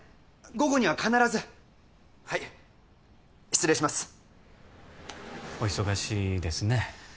午後には必ずはい失礼しますお忙しいですね